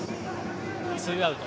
ツーアウト。